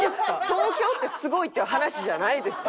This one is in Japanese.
東京ってすごいっていう話じゃないです。